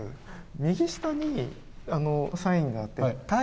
右下にサインがあって「戴斗逆筆」。